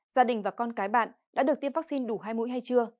gia đình và con cái bạn đã được tiêm vaccine đủ hai mũi hay chưa